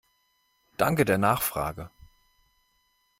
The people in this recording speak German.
Danke der Nachfrage!